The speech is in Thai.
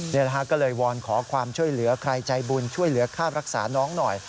นี่แหละฮะก็เลยวอนขอความช่วยเหลือใครใจบุญช่วยเหลือค่ารักษาน้องหน่อย